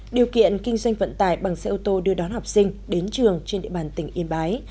điều kiện kinh doanh vận tải bằng xe ô tô đưa đón học sinh đến trường trên địa bàn tỉnh yên bái